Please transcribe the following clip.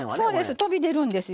飛び出るんですよ。